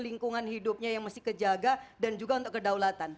lingkungan hidupnya yang mesti kejaga dan juga untuk kedaulatan